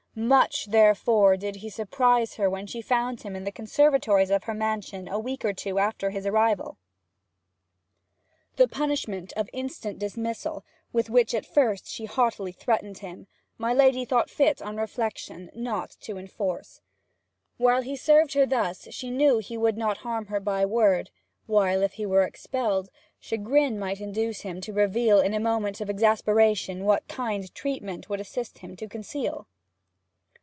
Much therefore did he surprise her when she found him in the conservatories of her mansion a week or two after his arrival. The punishment of instant dismissal, with which at first she haughtily threatened him, my lady thought fit, on reflection, not to enforce. While he served her thus she knew he would not harm her by a word, while, if he were expelled, chagrin might induce him to reveal in a moment of exasperation what kind treatment would assist him to conceal.